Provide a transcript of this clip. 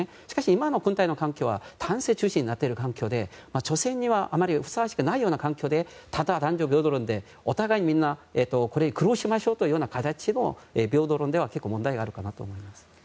しかし今の軍隊の環境は男性中心になっている環境で女性にはあまりふさわしくないような環境でただ、男女平等論でお互いみんな苦労しましょうというような形の平等論では結構問題があるかなと思います。